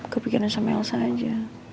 kepikiran sama elsa aja